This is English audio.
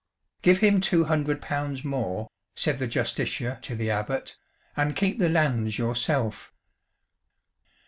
"Give him two hundred pounds more," said the Justiciar to the Abbot, "and keep the lands yourself."